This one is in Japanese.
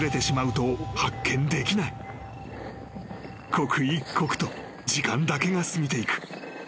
［刻一刻と時間だけが過ぎていく］